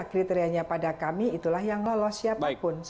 kriterianya pada kami itulah yang lolos siapapun